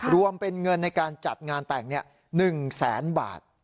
รวมเป็นเงินในการจัดงานแต่งเนี่ย๑๐๐๐๐๐บาท